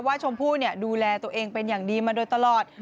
ชมพู่ดูแลตัวเองเป็นอย่างดีมาโดยตลอด